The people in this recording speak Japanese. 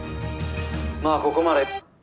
まあここまで。